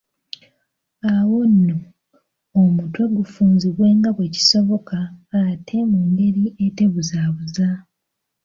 Awo nno, omutwe gufunzibwe nga bwe kisoboka ate mu ngeri atebuzaabuza.